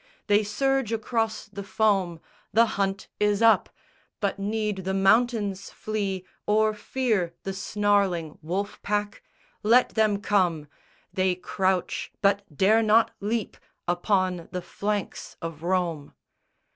They surge across the foam, The hunt is up! But need the mountains flee Or fear the snarling wolf pack? Let them come! They crouch, but dare not leap upon the flanks of Rome.